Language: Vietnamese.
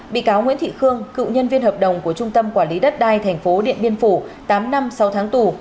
bị cáo nguyễn thị khương cựu nhân viên hợp đồng của trung tâm quản lý đất đai tp điện biên phủ tám năm sau tháng tù